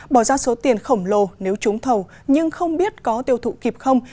bỏ ra số tiền khổng lồ nếu trúng thầu nhưng không biết có tiêu thụ kịp không